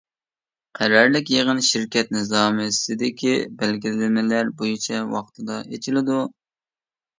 قەرەللىك يىغىن شىركەت نىزامنامىسىدىكى بەلگىلىمىلەر بويىچە ۋاقتىدا ئېچىلىدۇ.